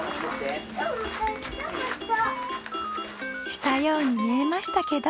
したように見えましたけど？